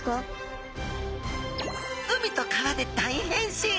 海と川で大変身！